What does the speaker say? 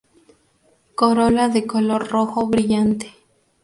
Corola de color rojo brillante.